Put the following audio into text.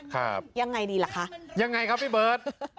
ครับยังไงดีล่ะคะยังไงครับพี่เบิร์ต